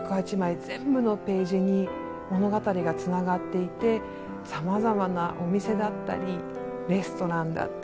全部のページに物語がつながっていて様々なお店だったりレストランだったり。